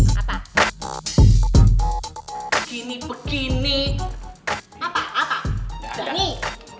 wajah dong kalo momi belain gimana tuh